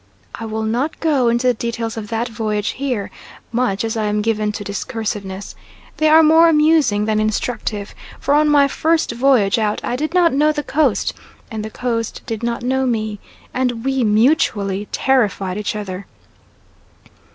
I will not go into the details of that voyage here, much as I am given to discursiveness. They are more amusing than instructive, for on my first voyage out I did not know the Coast, and the Coast did not know me and we mutually terrified each other.